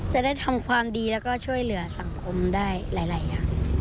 ได้ทำความดีแล้วก็ช่วยเหลือสังคมได้หลายอย่าง